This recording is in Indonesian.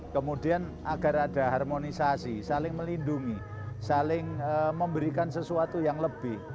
kemudian agar ada harmonisasi saling melindungi saling memberikan sesuatu yang lebih